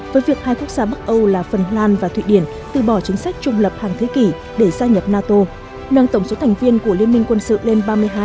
với việc hai quốc gia bắc âu là phần lan và thụy điển từ bỏ chính sách trung lập hàng thế kỷ để gia nhập nato nâng tổng số thành viên của liên minh quân sự lên ba mươi hai